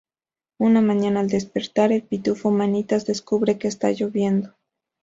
Una mañana al despertar, el Pitufo Manitas descubre que está lloviendo.